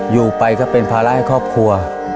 อยู่ไปก็เป็นภาระให้ครอบครัว